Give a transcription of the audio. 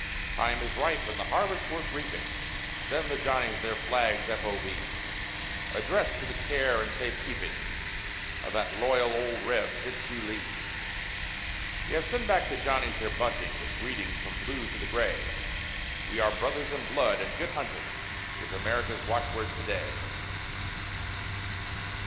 Time is ripe, and the harvest worth reaping, Send the Johnnies their flags f. o. b., Address to the care and safe keeping Of that loyal "old Reb," Fitzhugh Lee! Yes, send back the Johnnies their bunting, With greetings from Blue to the Gray; We are "Brothers in blood," and "Good Hunting" Is America's watchword to day.